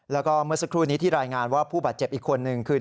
แล้วก็เมื่อสักครู่นี้ที่รายงานว่าผู้บาดเจ็บอีกคนนึงคือ